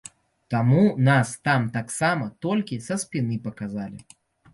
Таму нас там таксама толькі са спіны паказалі.